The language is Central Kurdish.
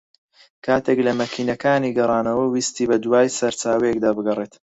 کاتێک لە مەکینەکانی گەڕانەوە ویستی بە دووای سەرچاوەیەکدا بگەڕێت